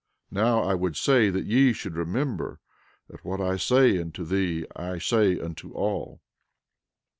Now I would that ye should remember that what I say unto thee I say unto all.